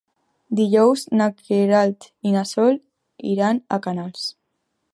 Dijous na Queralt i na Sol iran a Canals.